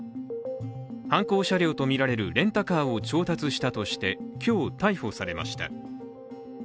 犯行車両とみられるレンタカーを調達したとして今日、逮捕されました。